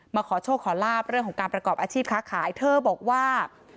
ขอโชคขอลาบเรื่องของการประกอบอาชีพค้าขายเธอบอกว่า